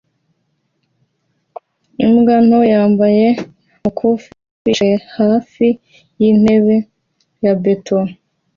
Imbwa nto yambaye umukufi yicaye hafi y'intebe ya beto